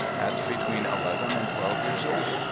At between eleven and twelve years old.